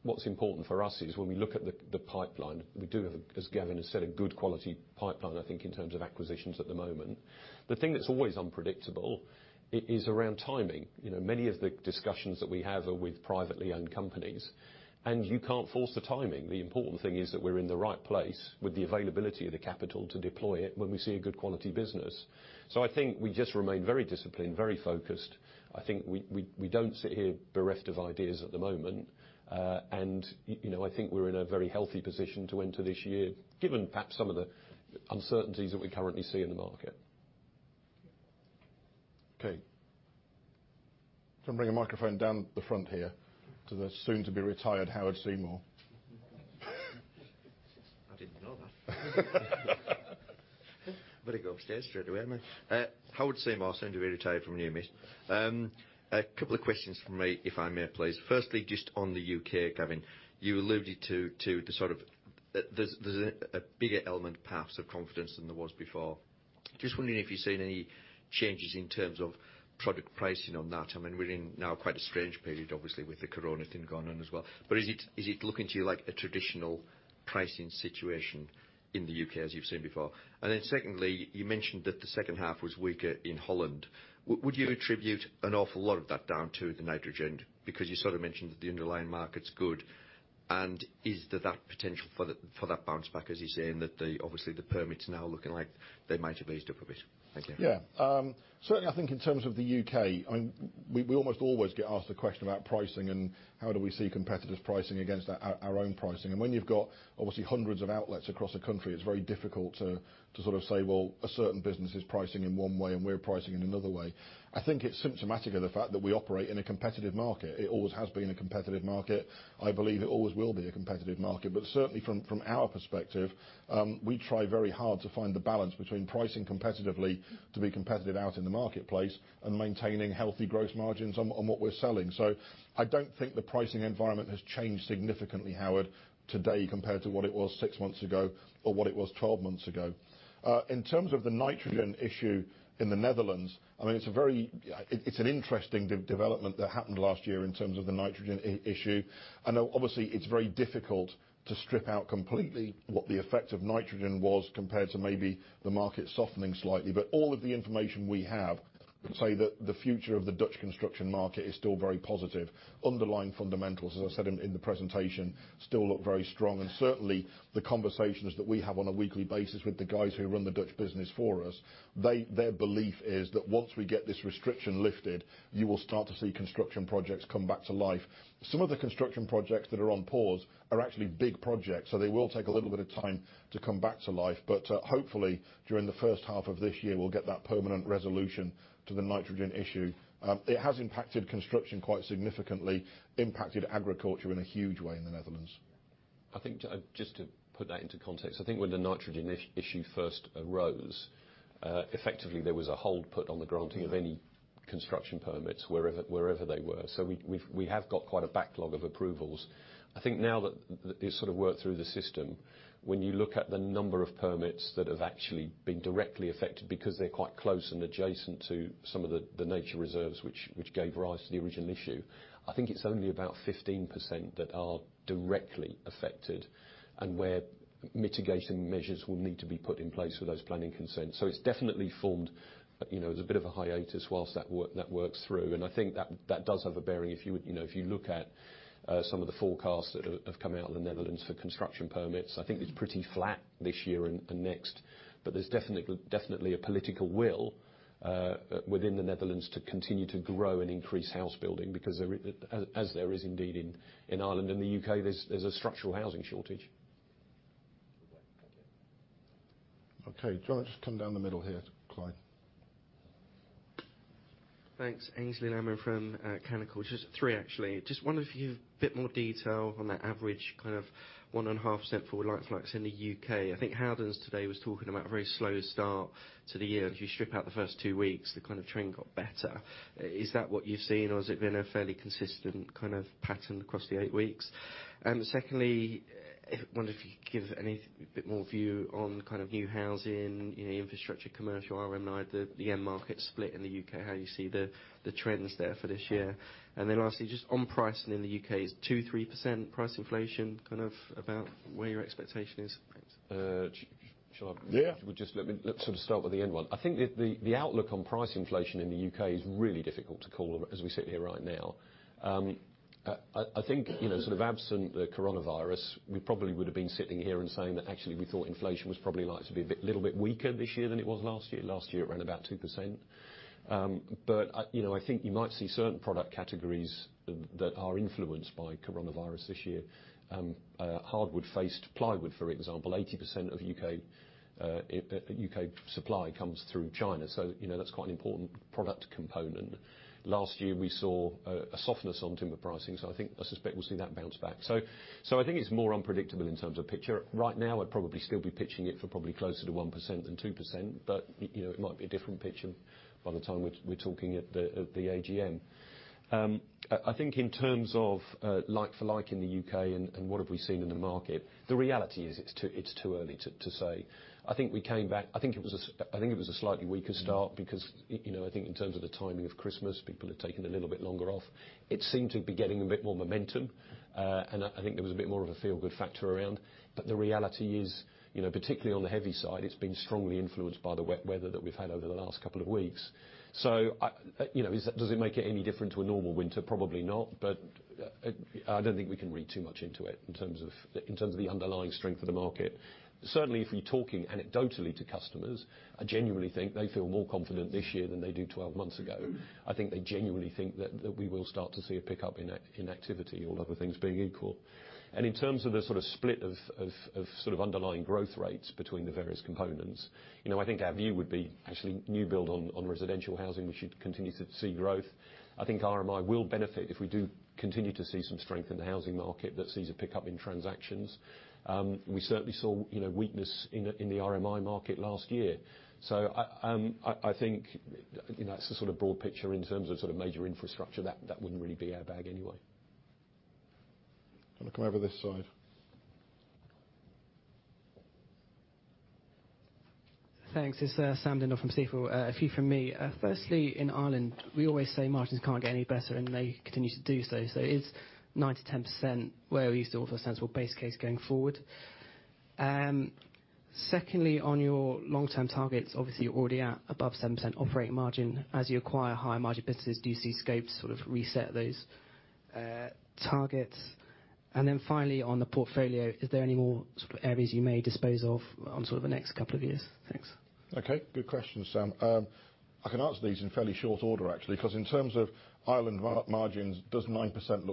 what's important for us is when we look at the pipeline, we do have, as Gavin has said, a good quality pipeline, I think, in terms of acquisitions at the moment. The thing that's always unpredictable, is around timing. Many of the discussions that we have are with privately owned companies, and you can't force the timing. The important thing is that we're in the right place with the availability of the capital to deploy it when we see a good quality business. I think we just remain very disciplined, very focused. I think we don't sit here bereft of ideas at the moment. I think we're in a very healthy position to enter this year, given perhaps some of the uncertainties that we currently see in the market. Okay. Just bring a microphone down the front here to the soon-to-be-retired Howard Seymour. I didn't know that. Better go upstairs straight away, haven't I? Howard Seymour, soon to be retired from Numis. A couple of questions from me, if I may, please. Firstly, just on the U.K., Gavin, you alluded to the sort of There's a bigger element perhaps of confidence than there was before. Just wondering if you've seen any changes in terms of product pricing on that. We're in now quite a strange period, obviously, with the coronavirus thing going on as well. Is it looking to you like a traditional pricing situation in the U.K. as you've seen before? Secondly, you mentioned that the second half was weaker in Holland. Would you attribute an awful lot of that down to the nitrogen? You sort of mentioned that the underlying market's good, and is there that potential for that bounce back, as you're saying that obviously the permits now are looking like they might have eased up a bit? Thank you. Yeah. Certainly, I think in terms of the U.K., we almost always get asked the question about pricing and how do we see competitors pricing against our own pricing. When you've got obviously hundreds of outlets across the country, it's very difficult to sort of say, well, a certain business is pricing in one way, and we're pricing in another way. I think it's symptomatic of the fact that we operate in a competitive market. It always has been a competitive market. I believe it always will be a competitive market. Certainly, from our perspective, we try very hard to find the balance between pricing competitively to be competitive out in the marketplace, and maintaining healthy growth margins on what we're selling. I don't think the pricing environment has changed significantly, Howard, today compared to what it was six months ago or what it was 12 months ago. In terms of the nitrogen issue in the Netherlands, it's an interesting development that happened last year in terms of the nitrogen issue. I know obviously it's very difficult to strip out completely what the effect of nitrogen was compared to maybe the market softening slightly. All of the information we have say that the future of the Dutch construction market is still very positive. Underlying fundamentals, as I said in the presentation, still look very strong. Certainly, the conversations that we have on a weekly basis with the guys who run the Dutch business for us, their belief is that once we get this restriction lifted, you will start to see construction projects come back to life. Some of the construction projects that are on pause are actually big projects. They will take a little bit of time to come back to life. Hopefully, during the first half of this year, we'll get that permanent resolution to the nitrogen issue. It has impacted construction quite significantly, impacted agriculture in a huge way in the Netherlands. I think just to put that into context, I think when the nitrogen issue first arose, effectively there was a hold put on the granting of any construction permits wherever they were. We have got quite a backlog of approvals. I think now that it's sort of worked through the system, when you look at the number of permits that have actually been directly affected because they're quite close and adjacent to some of the nature reserves which gave rise to the original issue, I think it's only about 15% that are directly affected and where mitigating measures will need to be put in place for those planning consents. It's definitely formed as a bit of a hiatus whilst that works through, and I think that does have a bearing. If you look at some of the forecasts that have come out of the Netherlands for construction permits, I think it's pretty flat this year and next. There's definitely a political will within the Netherlands to continue to grow and increase house building because, as there is indeed in Ireland and the U.K., there's a structural housing shortage. Okay. Just come down the middle here to Clyde? Thanks. Aynsley Lammin from Canaccord. Just three, actually. Just wonder if you've a bit more detail on that average kind of 1.5% for like-for-likes in the U.K. I think Howdens today was talking about a very slow start to the year. If you strip out the first two weeks, the kind of trend got better. Is that what you've seen, or has it been a fairly consistent kind of pattern across the eight weeks? Secondly, wonder if you could give any bit more view on kind of new housing, infrastructure, commercial, RMI, the end market split in the U.K., how you see the trends there for this year. Lastly, just on pricing in the U.K., is 2%-3% price inflation kind of about where your expectation is? Thanks. Shall I- Yeah. Well, just let me sort of start with the end one. I think the outlook on price inflation in the U.K. is really difficult to call as we sit here right now. I think, sort of absent the coronavirus, we probably would have been sitting here and saying that actually we thought inflation was probably likely to be a little bit weaker this year than it was last year. Last year it ran about 2%. I think you might see certain product categories that are influenced by coronavirus this year. Hardwood-faced plywood, for example, 80% of U.K. supply comes through China. That's quite an important product component. Last year we saw a softness on timber pricing, I suspect we'll see that bounce back. I think it's more unpredictable in terms of picture. Right now I'd probably still be pitching it for probably closer to 1% than 2%, but it might be a different picture by the time we're talking at the AGM. I think in terms of like for like in the U.K. and what have we seen in the market, the reality is it's too early to say. I think it was a slightly weaker start because I think in terms of the timing of Christmas, people had taken a little bit longer off. It seemed to be getting a bit more momentum. I think there was a bit more of a feel-good factor around. The reality is, particularly on the heavy side, it's been strongly influenced by the wet weather that we've had over the last couple of weeks. Does it make it any different to a normal winter? Probably not. I don't think we can read too much into it in terms of the underlying strength of the market. Certainly, if you're talking anecdotally to customers, I genuinely think they feel more confident this year than they did 12 months ago. I think they genuinely think that we will start to see a pickup in activity, all other things being equal. In terms of the sort of split of underlying growth rates between the various components, I think our view would be actually new build on residential housing, we should continue to see growth. I think RMI will benefit if we do continue to see some strength in the housing market that sees a pickup in transactions. We certainly saw weakness in the RMI market last year. I think that's the sort of broad picture in terms of major infrastructure. That wouldn't really be our bag anyway. Going to come over to this side. Thanks. It's Sam Dindol from Stifel. A few from me. Firstly, in Ireland, we always say margins can't get any better, and they continue to do so. Is 9%-10% where we use the sort of sensible base case going forward? Secondly, on your long-term targets, obviously, you're already at above 7% operating margin. As you acquire higher margin businesses, do you see scope to sort of reset those targets? Finally, on the portfolio, are there any more sort of areas you may dispose of on sort of the next couple of years? Thanks. Okay, good questions, Sam. I can answer these in fairly short order actually, because in terms of Ireland margins, does nine to 10%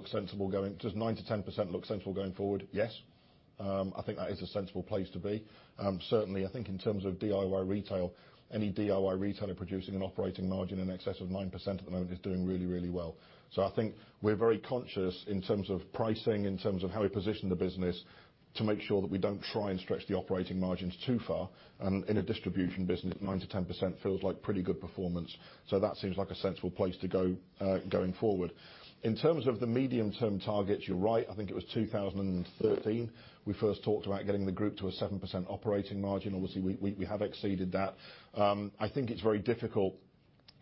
look sensible going forward? Yes. I think that is a sensible place to be. Certainly, I think in terms of DIY retail, any DIY retailer producing an operating margin in excess of 9% at the moment is doing really, really well. I think we're very conscious in terms of pricing, in terms of how we position the business to make sure that we don't try and stretch the operating margins too far. In a distribution business, 9% to 10% feels like pretty good performance. That seems like a sensible place to go going forward. In terms of the medium-term targets, you're right, I think it was 2013, we first talked about getting the group to a 7% operating margin. Obviously, we have exceeded that. I think it's very difficult,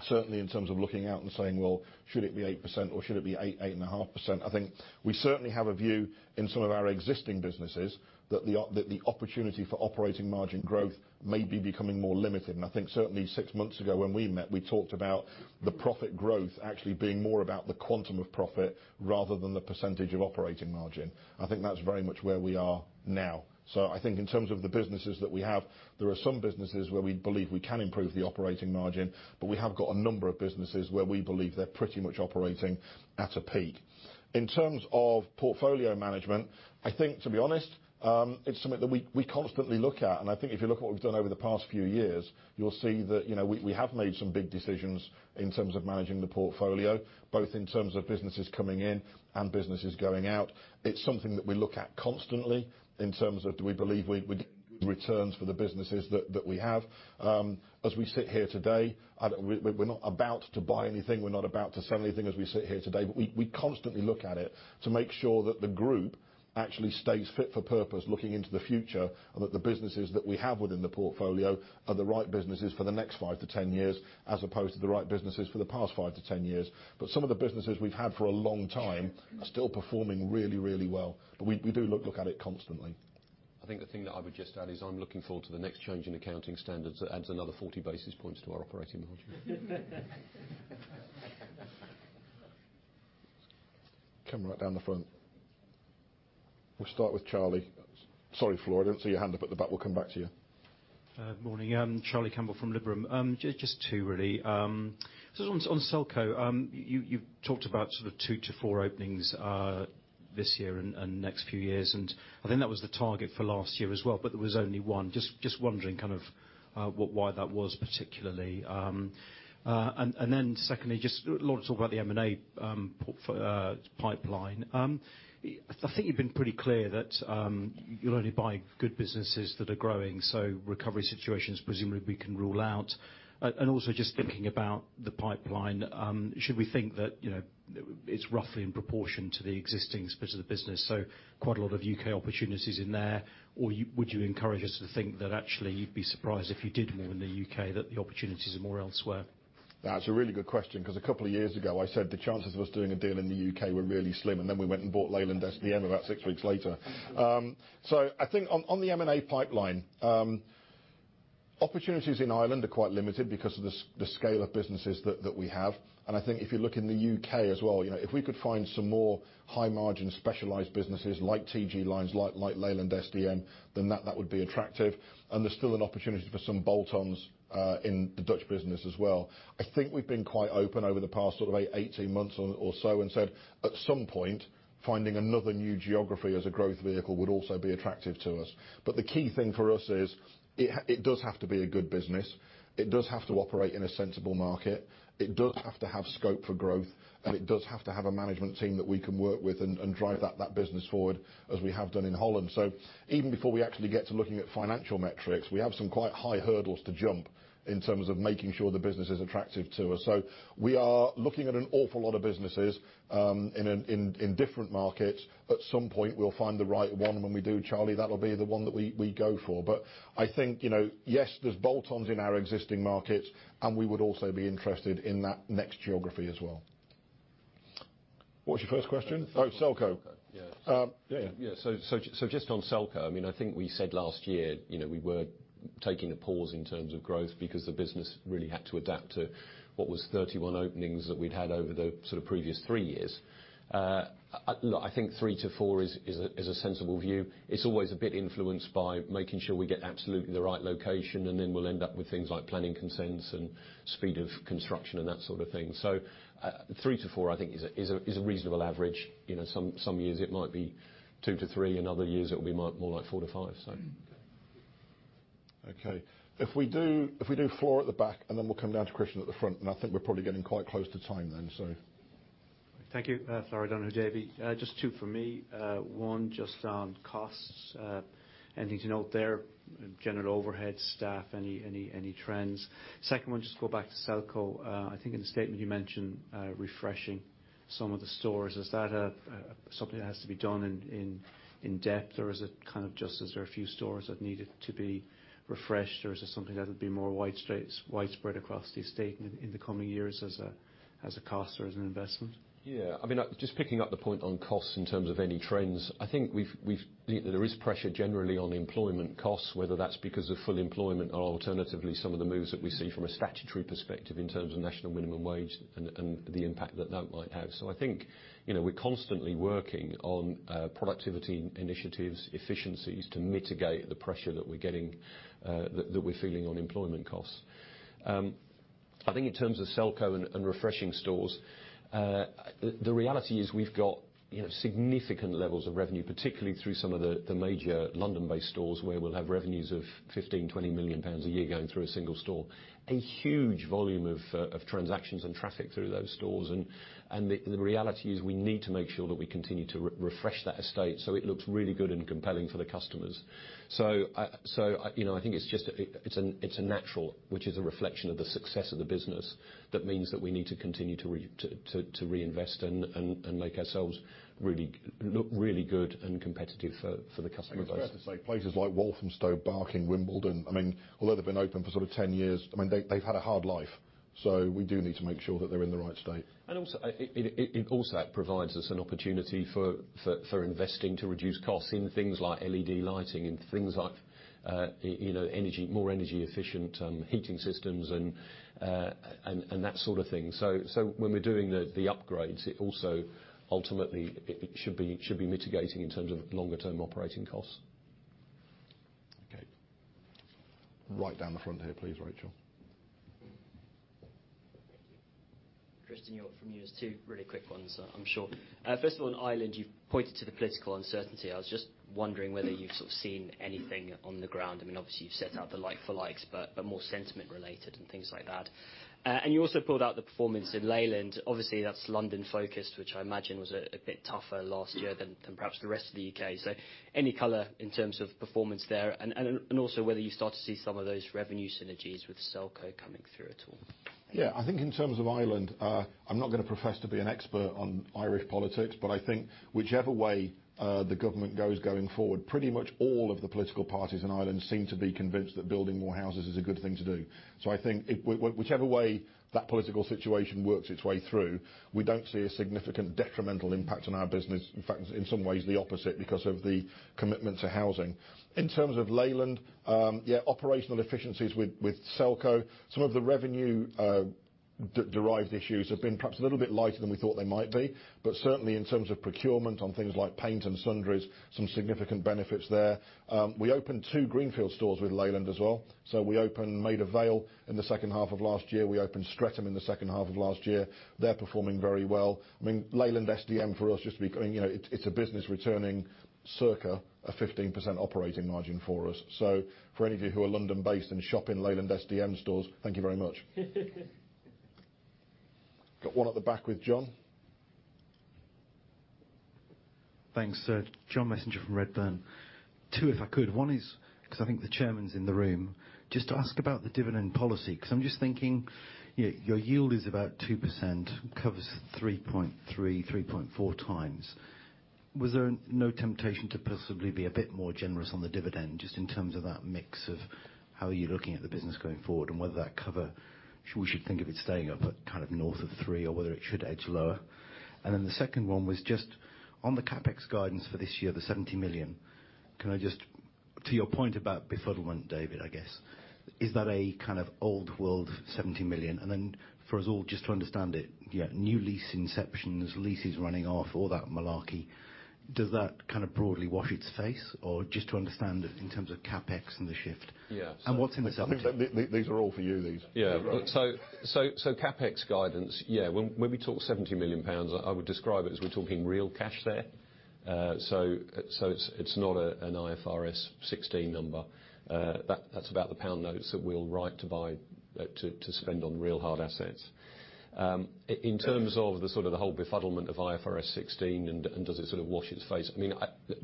certainly in terms of looking out and saying, well, should it be 8% or should it be 8.5%? I think we certainly have a view in some of our existing businesses that the opportunity for operating margin growth may be becoming more limited. I think certainly six months ago when we met, we talked about the profit growth actually being more about the quantum of profit rather than the percentage of operating margin. I think that's very much where we are now. I think in terms of the businesses that we have, there are some businesses where we believe we can improve the operating margin, but we have got a number of businesses where we believe they're pretty much operating at a peak. In terms of portfolio management, I think, to be honest, it's something that we constantly look at. I think if you look at what we've done over the past few years, you'll see that we have made some big decisions in terms of managing the portfolio, both in terms of businesses coming in and businesses going out. It's something that we look at constantly in terms of do we believe we get good returns for the businesses that we have. As we sit here today, we're not about to buy anything, we're not about to sell anything as we sit here today. We constantly look at it to make sure that the group actually stays fit for purpose looking into the future, and that the businesses that we have within the portfolio are the right businesses for the next 5-10 years, as opposed to the right businesses for the past 5-10 years. Some of the businesses we've had for a long time are still performing really, really well. We do look at it constantly. I think the thing that I would just add is I'm looking forward to the next change in accounting standards that adds another 40 basis points to our operating margin. Coming right down the front. We'll start with Charlie. Sorry, Floyd, I didn't see your hand up at the back. We'll come back to you. Morning. Charlie Campbell from Liberum. Just two, really. On Selco, you've talked about sort of two to four openings this year and next few years, and I think that was the target for last year as well, but there was only one. Just wondering kind of why that was particularly. Secondly, just Laura talk about the M&A pipeline. I think you've been pretty clear that you'll only buy good businesses that are growing, so recovery situations presumably we can rule out. Also, just thinking about the pipeline, should we think that it's roughly in proportion to the existing split of the business, so quite a lot of U.K. opportunities in there? Would you encourage us to think that actually you'd be surprised if you did more in the U.K., that the opportunities are more elsewhere? That's a really good question, because a couple of years ago, I said the chances of us doing a deal in the U.K. were really slim, and then we went and bought Leyland SDM about six weeks later. I think on the M&A pipeline, opportunities in Ireland are quite limited because of the scale of businesses that we have. I think if you look in the U.K. as well, if we could find some more high-margin specialized businesses like T.G. Lynes, like Leyland SDM, then that would be attractive. There's still an opportunity for some bolt-ons in the Dutch business as well. I think we've been quite open over the past sort of 18 months or so and said, at some point, finding another new geography as a growth vehicle would also be attractive to us. The key thing for us is it does have to be a good business. It does have to operate in a sensible market. It does have to have scope for growth, and it does have to have a management team that we can work with and drive that business forward as we have done in Holland. Even before we actually get to looking at financial metrics, we have some quite high hurdles to jump in terms of making sure the business is attractive to us. We are looking at an awful lot of businesses in different markets. At some point, we'll find the right one. When we do, Charlie, that'll be the one that we go for. I think, yes, there's bolt-ons in our existing markets, and we would also be interested in that next geography as well. What's your first question? Oh, Selco. Yeah. Just on Selco, I think we said last year, we were taking a pause in terms of growth because the business really had to adapt to what was 31 openings that we had over the previous three years. I think three to four is a sensible view. It's always a bit influenced by making sure we get absolutely the right location, and then we will end up with things like planning consents and speed of construction and that sort of thing. Three to four, I think is a reasonable average. Some years it might be two to three. In other years it will be more like four to five. Okay. If we do four at the back, and then we'll come down to Christian at the front, and I think we're probably getting quite close to time then. Thank you. Larry Downes. Just two for me. One, just on costs. Anything to note there? General overhead, staff, any trends? Second one, just go back to Selco. I think in the statement you mentioned refreshing some of the stores. Is that something that has to be done in depth, or is it just there's a few stores that needed to be refreshed, or is it something that would be more widespread across the estate in the coming years as a cost or as an investment? Yeah. Just picking up the point on costs in terms of any trends. I think there is pressure generally on employment costs, whether that's because of full employment or alternatively, some of the moves that we see from a statutory perspective in terms of national minimum wage and the impact that that might have. I think we're constantly working on productivity initiatives, efficiencies to mitigate the pressure that we're feeling on employment costs. I think in terms of Selco and refreshing stores, the reality is we've got significant levels of revenue, particularly through some of the major London-based stores, where we'll have revenues of 15 million-20 million pounds a year going through a single store. A huge volume of transactions and traffic through those stores. The reality is we need to make sure that we continue to refresh that estate so it looks really good and compelling for the customers. I think it's a natural, which is a reflection of the success of the business. That means that we need to continue to reinvest and make ourselves look really good and competitive for the customer base. Fair to say, places like Walthamstow, Barking, Wimbledon, although they've been open for sort of 10 years, they've had a hard life. We do need to make sure that they're in the right state. Also, it provides us an opportunity for investing to reduce costs in things like LED lighting and things like more energy efficient heating systems and that sort of thing. When we're doing the upgrades, it also ultimately should be mitigating in terms of longer-term operating costs. Okay. Right down the front here, please, Rachel. Thank you. Kristin York from News 2. Really quick ones, I'm sure. First of all, on Ireland, you pointed to the political uncertainty. I was just wondering whether you've seen anything on the ground. Obviously, you've set out the like for likes, but more sentiment related and things like that. You also pulled out the performance in Leyland. Obviously, that's London focused, which I imagine was a bit tougher last year than perhaps the rest of the U.K. Any color in terms of performance there, and also whether you start to see some of those revenue synergies with Selco coming through at all? I think in terms of Ireland, I am not going to profess to be an expert on Irish politics, but I think whichever way the government goes going forward, pretty much all of the political parties in Ireland seem to be convinced that building more houses is a good thing to do. I think whichever way that political situation works its way through, we do not see a significant detrimental impact on our business. In fact, in some ways the opposite because of the commitment to housing. In terms of Leyland, operational efficiencies with Selco. Some of the revenue-derived issues have been perhaps a little bit lighter than we thought they might be. Certainly, in terms of procurement on things like paint and sundries, some significant benefits there. We opened two greenfield stores with Leyland as well. We opened Maida Vale in the second half of last year. We opened Streatham in the second half of last year. They're performing very well. Leyland SDM for us, it's a business returning circa a 15% operating margin for us. For any of you who are London-based and shop in Leyland SDM stores, thank you very much. Got one at the back with John. Thanks, sir. John Messenger from Redburn. Two, if I could. One is, because I think the chairman's in the room, just to ask about the dividend policy, because I am just thinking your yield is about 2%, covers 3.3, 3.4 times. Was there no temptation to possibly be a bit more generous on the dividend just in terms of that mix of how are you looking at the business going forward and whether that cover, we should think of it staying up at kind of north of three or whether it should edge lower? The second one was just on the CapEx guidance for this year, the 70 million. To your point about befuddlement, David, I guess. Is that a kind of old world 70 million? For us all, just to understand it, new lease inceptions, leases running off, all that malarkey. Does that kind of broadly wash its face or just to understand it in terms of CapEx and the shift? Yeah. What's in the- These are all for you, these. CapEx guidance. When we talk 70 million pounds, I would describe it as we're talking real cash there. It's not an IFRS 16 number. That's about the pound notes that we'll write to buy to spend on real hard assets. In terms of the sort of the whole befuddlement of IFRS 16 and does it sort of wash its face?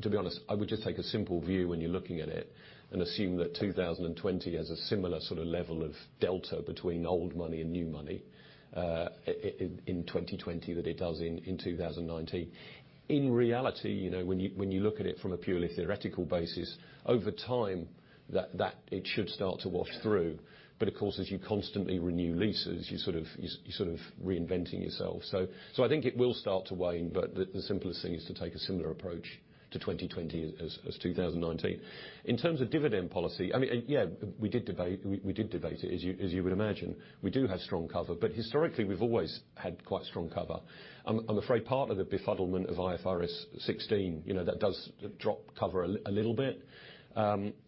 To be honest, I would just take a simple view when you're looking at it and assume that 2020 has a similar sort of level of delta between old money and new money in 2020 than it does in 2019. In reality, when you look at it from a purely theoretical basis, over time, it should start to wash through. Of course, as you constantly renew leases, you're sort of reinventing yourself. I think it will start to wane, but the simplest thing is to take a similar approach to 2020 as 2019. In terms of dividend policy, yeah, we did debate it, as you would imagine. We do have strong cover, but historically we've always had quite strong cover. I'm afraid part of the befuddlement of IFRS 16, that does drop cover a little bit.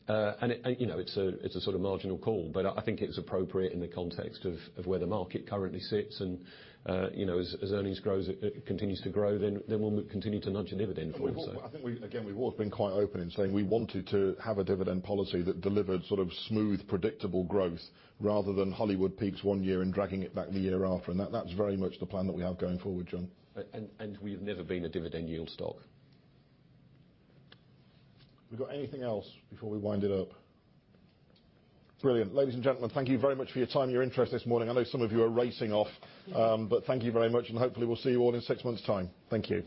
It's a sort of marginal call, but I think it's appropriate in the context of where the market currently sits and as earnings continues to grow then we'll continue to nudge a dividend forward. I think, again, we've always been quite open in saying we wanted to have a dividend policy that delivered sort of smooth, predictable growth rather than Hollywood peaks one year and dragging it back the year after. That's very much the plan that we have going forward, John. We have never been a dividend yield stock. We got anything else before we wind it up? Brilliant. Ladies and gentlemen, thank you very much for your time and your interest this morning. I know some of you are racing off. Thank you very much, and hopefully we'll see you all in six months' time. Thank you.